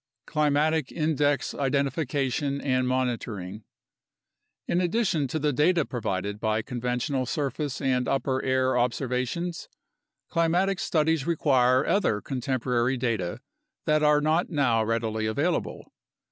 Climatic Index Identification and Monitoring In addition to the data provided by conventional surface and upper air observations, climatic studies require other contemporary data that are not now readily available.